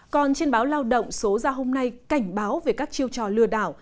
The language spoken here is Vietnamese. còn trên báo lao động số gia hôm nay cảnh báo về các chiêu trò lừa đàn